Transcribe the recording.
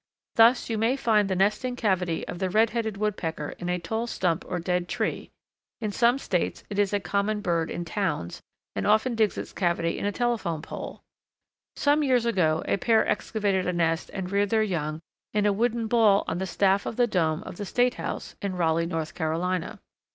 Thus you may find the nesting cavity of the Red headed Woodpecker in a tall stump or dead tree; in some States it is a common bird in towns, and often digs its cavity in a telephone pole. Some years ago a pair excavated a nest and reared their young in a wooden ball on the staff of the dome of the State House in Raleigh, North Carolina.